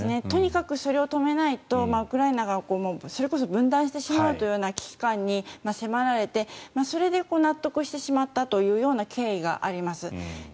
とにかくそれを止めないとウクライナがそれこそ分断してしまうというような危機感に迫られてそれで納得してしまったという経緯があります。